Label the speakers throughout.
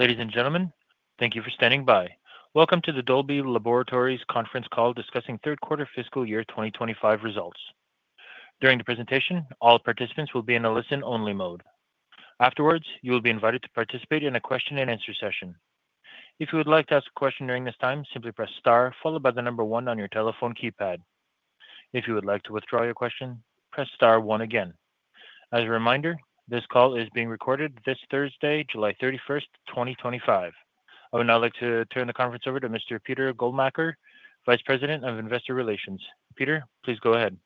Speaker 1: Ladies and gentlemen, thank you for standing by. Welcome to the Dolby Laboratories conference call discussing third quarter fiscal year 2025 results. During the presentation, all participants will be in a listen-only mode. Afterwards, you will be invited to participate in a question and answer session. If you would like to ask a question during this time, simply press star followed by the number one on your telephone keypad. If you would like to withdraw your question, press star one again. As a reminder, this call is being recorded this Thursday, July 31, 2025. I would now like to turn the conference over to Mr. Peter Goldmacher, Vice President of Investor Relations. Peter, please go ahead.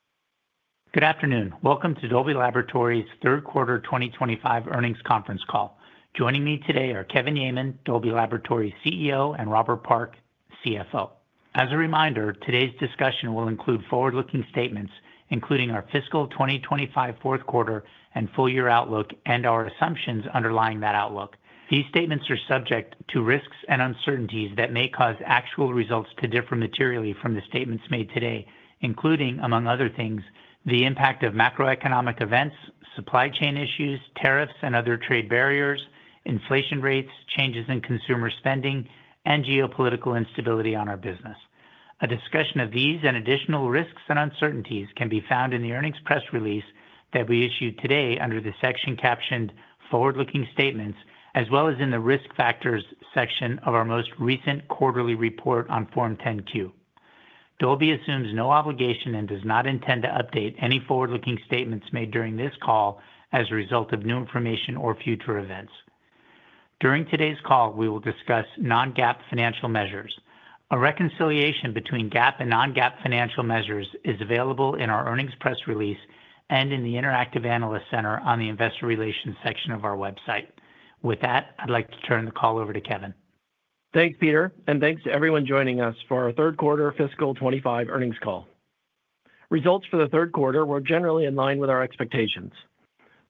Speaker 2: Good afternoon. Welcome to Dolby Laboratories' third quarter 2025 earnings conference call. Joining me today are Kevin Yeaman, Dolby Laboratories CEO, and Robert Park, CFO. As a reminder, today's discussion will include forward-looking statements including our fiscal 2025 fourth quarter and full year outlook and our assumptions underlying that outlook. These statements are subject to risks and uncertainties that may cause actual results to differ materially from the statements made today, including, among other things, the impact of macro-economic events, supply chain issues, tariffs and other trade barriers, inflation rates, changes in consumer spending, and geopolitical instability on our business. A discussion of these and additional risks and uncertainties can be found in the earnings press release that we issued today under the section captioned Forward-Looking Statements as well as in the Risk Factors section of our most recent quarterly report on Form 10-Q. Dolby assumes no obligation and does not intend to update any forward-looking statements made during this call as a result of new information or future events. During today's call we will discuss non-GAAP financial measures. A reconciliation between GAAP and non-GAAP financial measures is available in our earnings press release and in the Interactive Analyst Center on the Investor Relations section of our website. With that, I'd like to turn the call over to Kevin.
Speaker 3: Thanks, Peter, and thanks to everyone joining us for our third quarter fiscal 2025 earnings call. Results for the third quarter were generally in line with our expectations.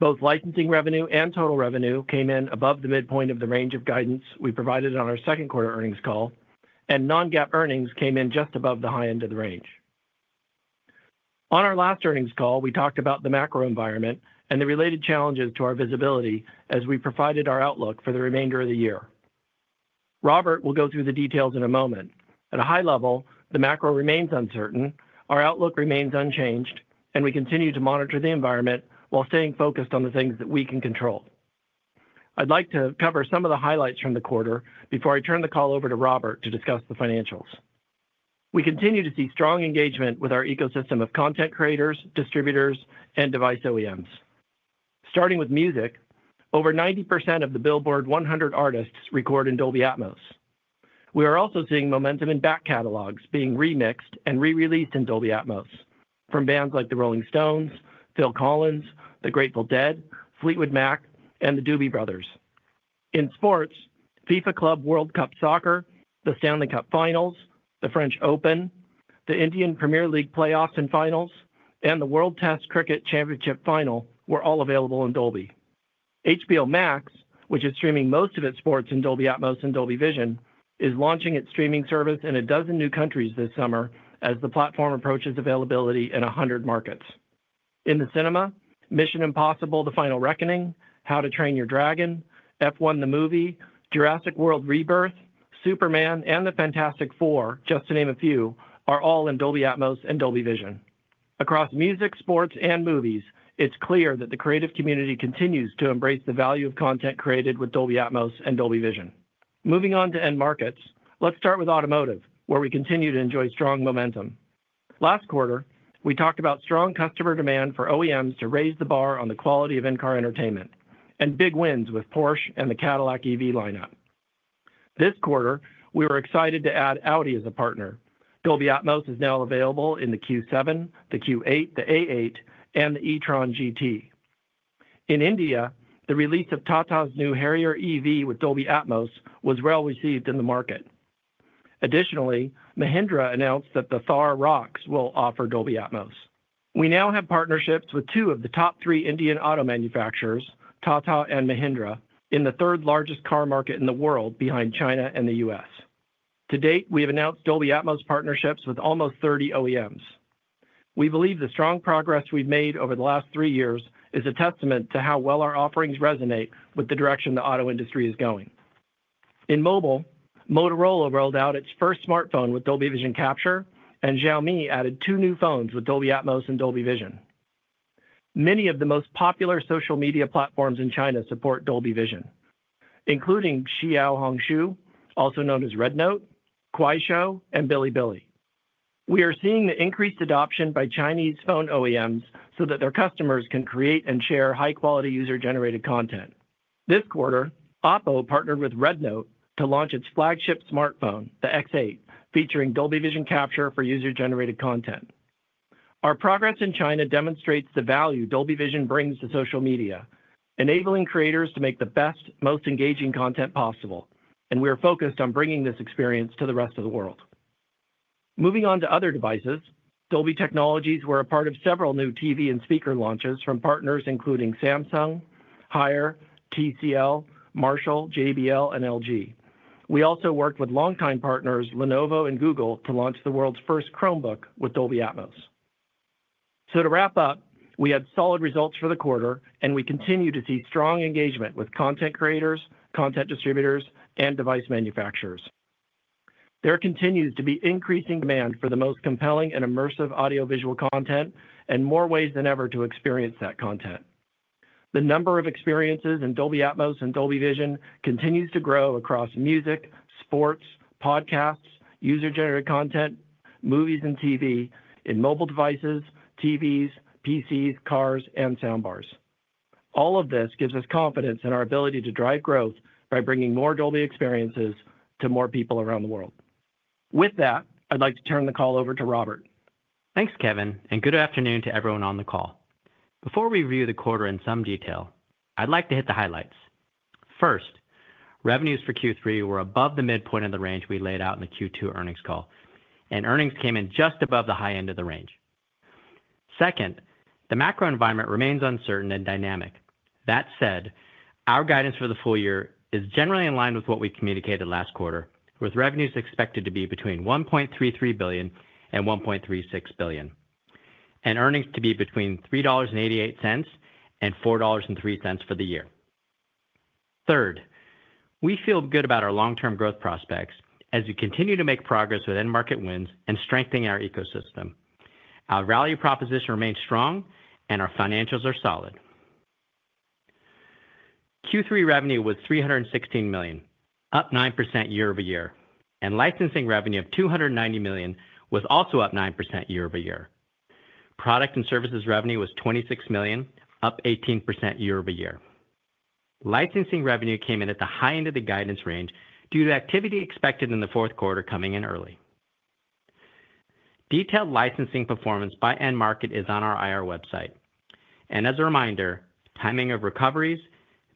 Speaker 3: Both licensing revenue and total revenue came in above the midpoint of the range of guidance we provided on our second quarter earnings call, and non-GAAP earnings came in just above the high end of the range. On our last earnings call, we talked about the macro environment and the related challenges to our visibility as we provided our outlook for the remainder of the year. Robert will go through the details in a moment. At a high level, the macro remains uncertain, our outlook remains unchanged, and we continue to monitor the environment while staying focused on the things that we can control. I'd like to cover some of the highlights from the quarter before I turn the call over to Robert to discuss the financials. We continue to see strong engagement with our ecosystem of content creators, distributors, and device OEMs, starting with music. Over 90% of the Billboard 100 artists record in Dolby Atmos. We are also seeing momentum in back catalogs being remixed and re-released in Dolby Atmos from bands like the Rolling Stones, Phil Collins, the Grateful Dead, Fleetwood Mac, and the Doobie Brothers. In sports, FIFA Club World Cup Soccer, the Stanley Cup Finals, the French Open, the Indian Premier League playoffs and Finals, and the World Test Cricket Championship Final were all available in Dolby. HBO Max, which is streaming most of its sports in Dolby Atmos and Dolby Vision, is launching its streaming service in a dozen new countries this summer as the platform approaches availability in 100 markets. In the cinema, Impossible, the Final Reckoning, How to Train Your Dragon, F1, the movie Jurassic World, Rebirth, Superman, and the Fantastic Four, just to name a few, are all in Dolby Atmos and Dolby Vision. Across music, sports, and movies, it's clear that the creative community continues to embrace the value of content created with Dolby Atmos and Dolby Vision. Moving on to end markets, let's start with automotive where we continue to enjoy strong momentum. Last quarter, we talked about strong customer demand for OEMs to raise the bar on the quality of in-car entertainment and big wins with Porsche and the Cadillac EV lineup. This quarter, we were excited to add Audi as a partner. Dolby Atmos is now available in the Q7, the Q8, the A8, and the E-TRON GT. In India, the release of Tata Motors' new Harrier EV with Dolby Atmos was well received in the market. Additionally, Mahindra announced that the Thar Roxx will offer Dolby Atmos. We now have partnerships with two of the top three Indian auto manufacturers, Tata Motors and Mahindra, in the third largest car market in the world behind China and the U.S. To date, we have announced Dolby Atmos partnerships with almost 30 device OEMs. We believe the strong progress we've made over the last three years is a testament to how well our offerings resonate with the direction the auto industry is going. In mobile, Motorola rolled out its first smartphone with Dolby Vision Capture, and Xiaomi added two new phones with Dolby Atmos and Dolby Vision. Many of the most popular social media platforms in China support Dolby Vision, including Xiaohongshu, also known as Red, Kuaishou, and Bilibili. We are seeing the increased adoption by Chinese phone OEMs so that their customers can create and share high quality user generated content. This quarter, OPPO partnered with Red to launch its flagship smartphone, the X8, featuring Dolby Vision Capture for user generated content. Our progress in China demonstrates the value Dolby Vision brings to social media, enabling creators to make the best, most engaging content possible, and we are focused on bringing this experience to the rest of the world. Moving on to other devices, Dolby technologies were a part of several new TV and speaker launches from partners including Samsung, Haier, TCL, Marshall, JBL, and LG. We also worked with longtime partners Lenovo and Google to launch the world's first Chromebook with Dolby Atmos. To wrap up, we had solid results for the quarter and we continue to see strong engagement with content creators, content distributors, and device manufacturers. There continues to be increasing demand for the most compelling and immersive audio, visual content and more ways than ever to experience that content. The number of experiences in Dolby Atmos and Dolby Vision continues to grow across music, sports, podcasts, user generated content, movies, and TV in mobile devices, TVs, PCs, cars, and sound bars. All of this gives us confidence in our ability to drive growth by bringing more Dolby experiences to more people around the world. With that, I'd like to turn the call over to Robert.
Speaker 4: Thanks Kevin and good afternoon to everyone on the call. Before we review the quarter in some detail, I'd like to hit the highlights. First, revenues for Q3 were above the midpoint of the range we laid out in the Q2 earnings call, and earnings came in just above the high end of the range. Second, the macro environment remains uncertain and dynamic. That said, our guidance for the full year is generally in line with what we communicated last quarter, with revenues expected to be between $1.33 billion and $1.36 billion and earnings to be between $3.88 and $4.03 for the year. Third, we feel good about our long term growth prospects as we continue to make progress with end market wins and strengthening our ecosystem. Our value proposition remains strong and our financials are solid. Q3 revenue was $316 million, up 9% year-over-year, and licensing revenue of $290 million was also up 9% year-over-year. Product and services revenue was $26 million, up 18% year-over-year. Licensing revenue came in at the high end of the guidance range due to activity expected in the fourth quarter coming in early. Detailed licensing performance by end market is on our IR website, and as a reminder, timing of recoveries,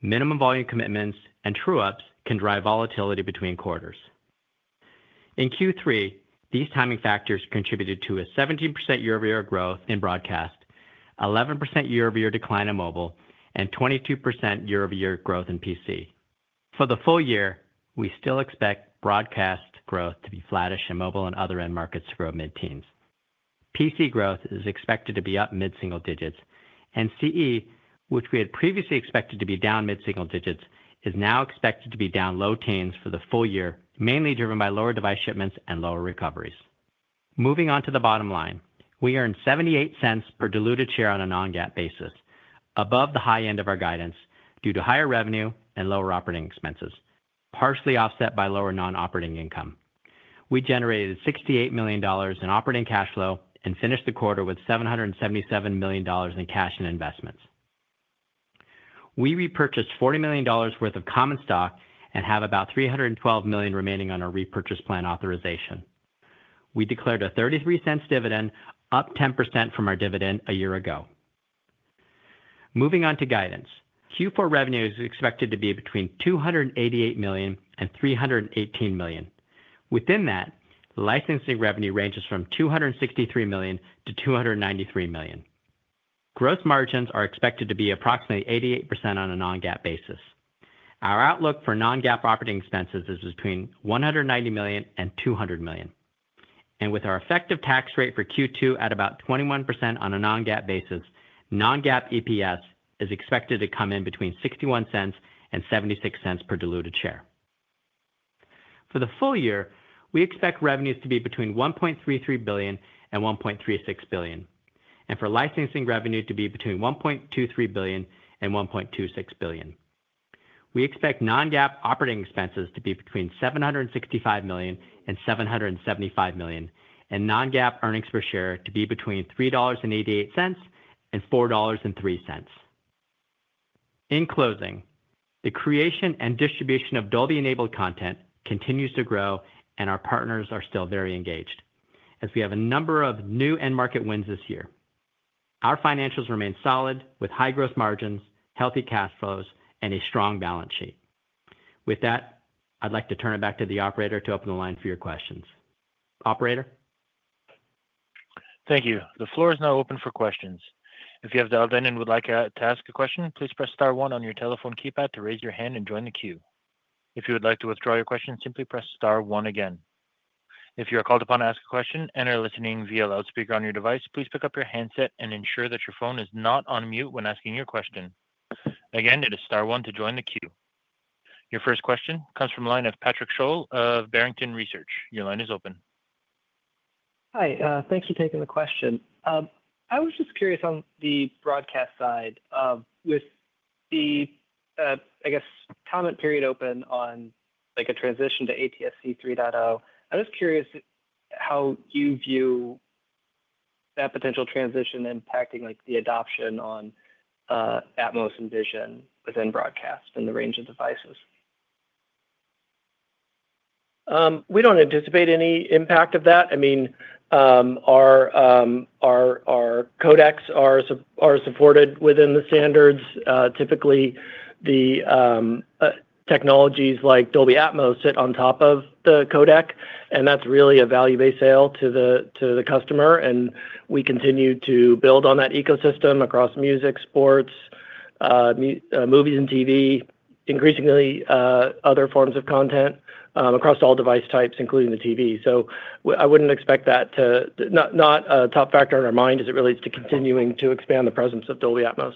Speaker 4: minimum volume commitments, and true-ups can drive volatility between quarters. In Q3, these timing factors contributed to a 17% year-over-year growth in broadcast, 11% year-over-year decline in mobile, and 22% year-over-year growth in PC. For the full year, we still expect broadcast growth to be flattish, in mobile and other end markets to grow mid-teens. PC growth is expected to be up mid-single digits, and CE, which we had previously expected to be down mid-single digits, is now expected to be down low teens for the full year, mainly driven by lower device shipments and lower recoveries. Moving on to the bottom line, we earned $0.78 per diluted share on a non-GAAP basis, above the high end of our guidance due to higher revenue and lower operating expenses, partially offset by lower non-operating income. We generated $68 million in operating cash flow and finished the quarter with $777 million in cash and investments. We repurchased $40 million worth of common stock and have about $312 million remaining on our repurchase plan authorization. We declared a $0.33 dividend, up 10% from our dividend a year ago. Moving on to guidance, Q4 revenue is expected to be between $288 million and $318 million. Within that, licensing revenue ranges from $263 million-$293 million. Gross margins are expected to be approximately 88% on a non-GAAP basis. Our outlook for non-GAAP operating expenses is between $190 million and $200 million, with our effective tax rate for Q2 at about 21% on a non-GAAP basis. Non-GAAP EPS is expected to come in between $0.61 and $0.76 per diluted share for the full year. We expect revenues to be between $1.33 billion and $1.36 billion and for licensing revenue to be between $1.23 billion and $1.26 billion. We expect non-GAAP operating expenses to be between $765 million and $775 million and non-GAAP earnings per share to be between $3.88 and $4.03. In closing, the creation and distribution of Dolby Enabled content continues to grow and our partners are still very engaged as we have a number of new end market wins this year. Our financials remain solid with high gross margins, healthy cash flows, and a strong balance sheet. With that, I'd like to turn it back to the operator to open the line for your questions. Operator.
Speaker 1: Thank you. The floor is now open for questions. If you have dialed in and would like to ask a question, please press Star one on your telephone keypad to raise your hand and join the queue. If you would like to withdraw your question, simply press Star one again. If you are called upon to ask a question and are listening via loudspeaker on your device, please pick up your handset and ensure that your phone is not on mute when asking your question. Again, it is Star one to join the queue. Your first question comes from the line of Patrick Sholl of Barrington Research. Your line is open.
Speaker 5: Hi, thanks for taking the question. I was just curious on the broadcast side with the, I guess, comment period open on like a transition to ATSC 3.0. I was curious how you view that potential transition impacting the adoption on Atmos and Vision within broadcast and the range of devices. We don't anticipate any impact of that. I mean, our codecs are supported within the standards. Typically, the technologies like Dolby Atmos sit on top of the codec and that's really a value-based sale to the customer. We continue to build on that ecosystem across music, sports, movies, and TV, increasingly other forms of content across all device types, including the TV. I wouldn't expect that to not factor in our mind as it relates to continuing to expand the presence of Dolby Atmos.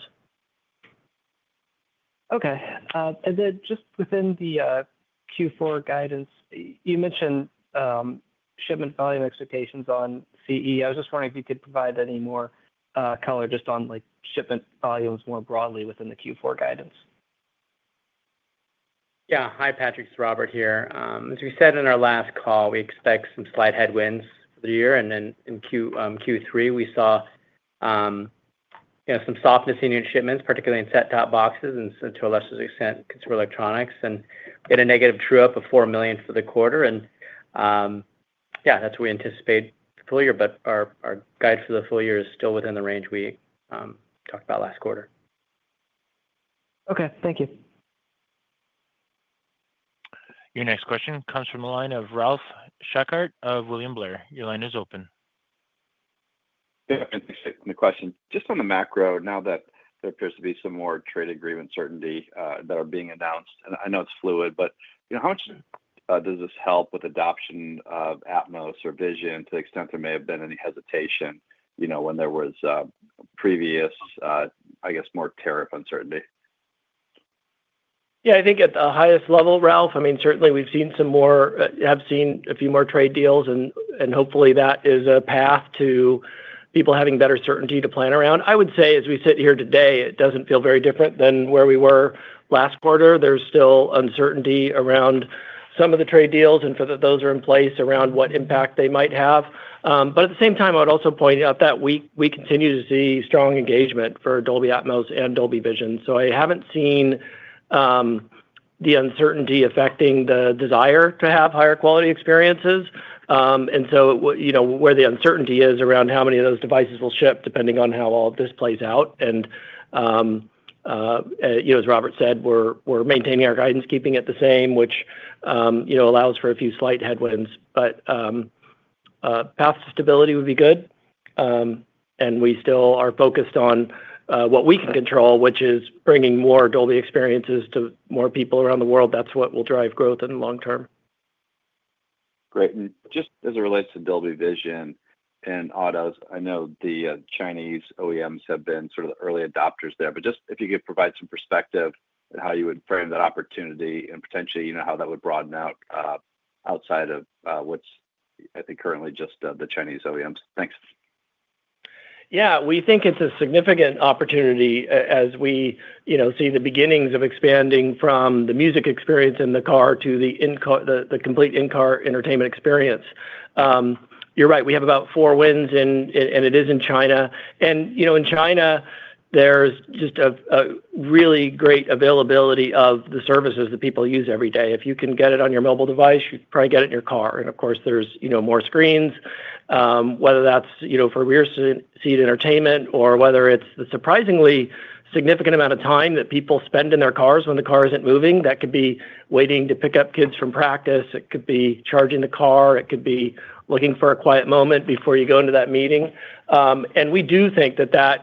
Speaker 5: Okay, and then just within the Q4 guidance, you mentioned shipment volume expectations. I was just wondering if you could provide any more color just on shipment volumes more broadly within the Q4 guidance.
Speaker 4: Yeah, hi Patrick, it's Robert here. As we said in our last call, we expect some slight headwinds for the year. In Q3 we saw some softness in unit shipments, particularly in set top boxes and to a lesser extent consumer electronics, and a negative true up of $4 million for the quarter. We anticipate full year, but our guide for the full year is still within the range we talked about last quarter.
Speaker 3: Okay, thank you.
Speaker 1: Your next question comes from the line of Ralph Schackart of William Blair. Your line is open.
Speaker 6: Question just on the macro now that there appears to be some more trade agreement certainty that are being announced. I know it's fluid, but how much does this help with adoption of Atmos or Vision to the extent there may have been any hesitation, you know, when there was previous, I guess more tariff uncertainty.
Speaker 3: Yeah, I think at the highest level, Ralph, I mean certainly we've seen some more, have seen a few more trade deals and hopefully that is a path to people having better certainty to plan around. I would say as we sit here today, it doesn't feel very different than where we were last quarter. There's still uncertainty around some of the trade deals and those are in place around what impact they might have. At the same time, I would also point out that we continue to see strong engagement for Dolby Atmos and Dolby Vision. I haven't seen the uncertainty affecting the desire to have higher quality experiences. Where the uncertainty is around how many of those devices will ship depending on how all this plays out. As Robert said, we're maintaining our guidance, keeping it the same, which allows for a few slight headwinds, but path to stability would be good. We still are focused on what we can control, which is bringing more Dolby experiences to more people around the world. That's what will drive growth in the long term. Great. Just as it relates to Dolby.
Speaker 6: Vision, I know the Chinese OEMs have been sort of the early adopters there, but just if you could provide some perspective on how you would frame that opportunity and potentially, you know, how that would broaden out outside of what's, I think currently just the Chinese OEMs. Thanks.
Speaker 7: Yeah, we think it's a significant opportunity as we see the beginnings of expanding from the music experience in the car to the complete in-car entertainment experience. You're right, we have about four wins and it is in China. In China there's just a really great availability of the services that people use every day. If you can get it on your mobile device, you probably get it in your car. Of course, there's more screens, whether that's for rear seat entertainment or the surprisingly significant amount of time that people spend in their cars when the car isn't moving. That could be waiting to pick up kids from practice, it could be charging the car, it could be looking for a quiet moment before you go into that meeting. We do think that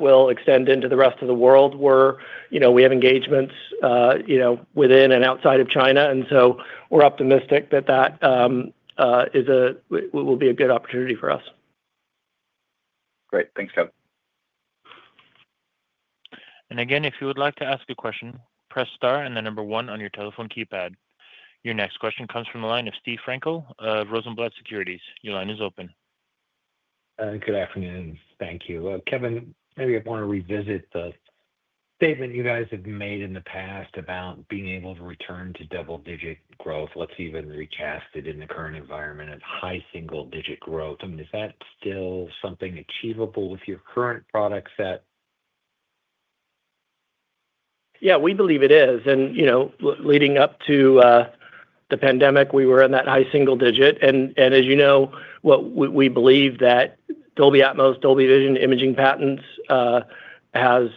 Speaker 7: will extend into the rest of the world where we have engagements within and outside of China. We're optimistic that will be a good opportunity for us.
Speaker 6: Great.Thanks, Kevin.
Speaker 1: If you would like to ask a question, press Star and then number one on your telephone keypad. Your next question comes from the line of Steve Frankel of Rosenblatt Securities. Your line is open.
Speaker 8: Good afternoon. Thank you, Kevin. Maybe I want to revisit the statement you guys have made in the past about being able to return to double-digit growth. Let's even recast it in the current environment of high single-digit growth. I mean, is that still something achievable with your current products?
Speaker 1: That.
Speaker 7: Yeah, we believe it is. You know, leading up to the pandemic, we were in that high single digit. As you know, we believe that Dolby Atmos, Dolby Vision, imaging patents has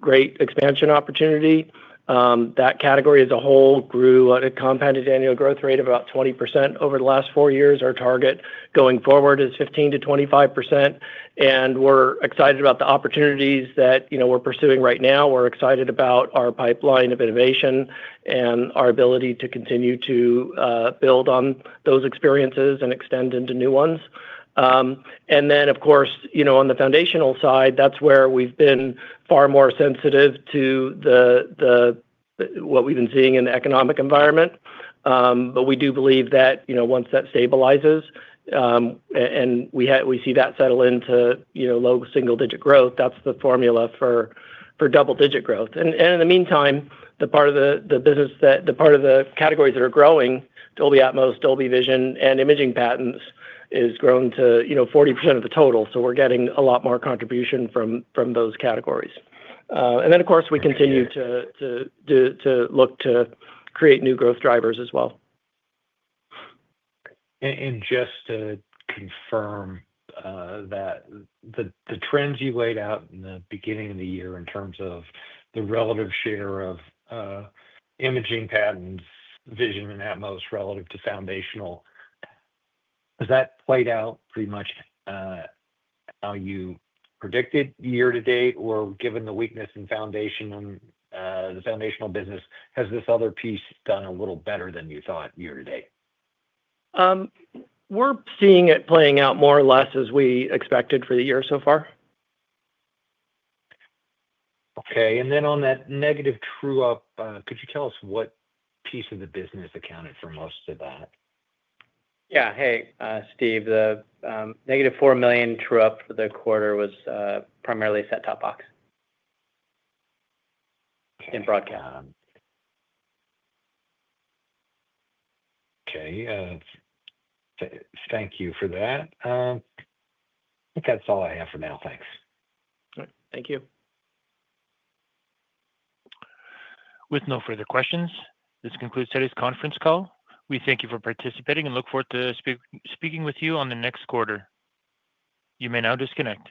Speaker 7: great expansion opportunity. That category as a whole grew at a compounded annual growth rate of about 20% over the last four years. Our target going forward is 15%-25%. We're excited about the opportunities that we're pursuing right now, excited about our pipeline of innovation and our ability to continue to build on those experiences and extend into new ones. Of course, on the foundational side, that's where we've been far more sensitive to what we've been seeing in the economic environment. We do believe that once that stabilizes and we see that settle into low single digit growth, that's the formula for double digit growth. In the meantime, the part of the business, the part of the categories that are growing, Dolby Atmos, Dolby Vision, and imaging patents, has grown to 40% of the total. We're getting a lot more contribution from those categories. Of course, we continue to look to create new growth drivers as well.
Speaker 8: Just to confirm that the trends you laid out in the beginning of the year, in terms of the relative share of imaging patents, Vision and Atmos relative to foundational, has that played out pretty much how you predicted year to date? Given the weakness in the foundational business, has this other piece done a little better than you thought?
Speaker 7: Year to date, we're seeing it playing out more or less as we expected for the year so far.
Speaker 8: Okay, on that negative true up, could you tell us what piece of the business accounted for most of that?
Speaker 9: Yeah. Hey Steve. The -$4 million true up for the quarter was primarily set top box in broadcast.
Speaker 8: Okay, thank you for that. I think that's all I have for now.
Speaker 7: Thanks.
Speaker 9: Thank you.
Speaker 1: With no further questions, this concludes today's conference call. We thank you for participating and look forward to speaking with you on the next quarter. You may now disconnect.